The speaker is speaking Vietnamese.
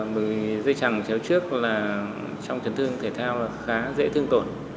bởi vì dây trăng chéo trước là trong trấn thương thể thao khá dễ thương tổn